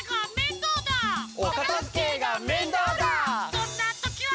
そんなときは！